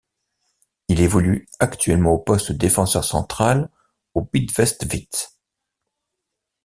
Il évolue actuellement au poste de défenseur central au Bidvest Wits.